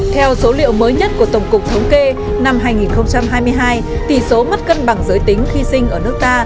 theo số liệu mới nhất của tổng cục thống kê năm hai nghìn hai mươi hai tỷ số mất cân bằng giới tính khi sinh ở nước ta